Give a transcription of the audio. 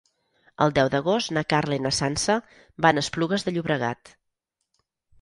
El deu d'agost na Carla i na Sança van a Esplugues de Llobregat.